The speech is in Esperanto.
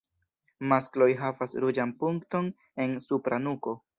Maskloj havas ruĝan punkton en supra nuko.